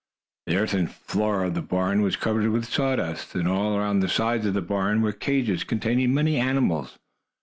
The earthen floor of the barn was covered with sawdust, and all around the sides of the barn were cages containing many animals.